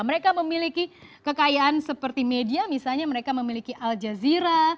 mereka memiliki kekayaan seperti media misalnya mereka memiliki al jazeera